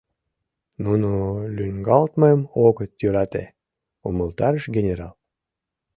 Нуно лӱҥгалтмым огыт йӧрате, — умылтарыш генерал.